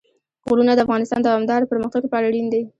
غرونه د افغانستان د دوامداره پرمختګ لپاره اړین دي.